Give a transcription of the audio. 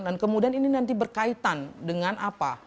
dan kemudian ini nanti berkaitan dengan apa